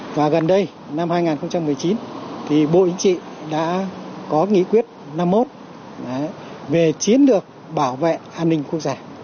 hội thảo đã nhận được các nội dung về bảo vệ an ninh trật tự ở cơ sở